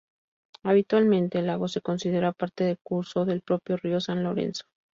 Habitualmente el lago se considera parte del curso del propio río San Lorenzo.